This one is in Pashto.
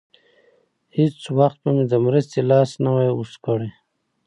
هېڅ وخت به مې د مرستې لاس نه وای اوږد کړی.